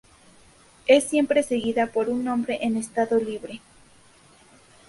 Es siempre seguida por un nombre en estado libre.